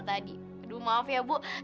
jadi lo yang dulu lagi